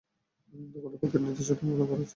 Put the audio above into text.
তোমার প্রতিটি নির্দেশ সঠিকভাবে পালন করেছি।